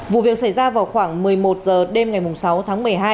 vụ việc xảy ra vào khoảng một mươi một h đêm ngày sáu tháng một mươi hai